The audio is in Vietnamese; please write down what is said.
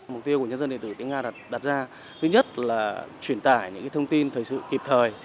mục tiêu của nhân dân điện tử tiếng nga là đặt ra thứ nhất là truyền tải những thông tin thời sự kịp thời